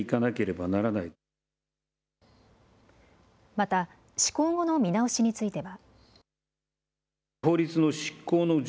また施行後の見直しについては。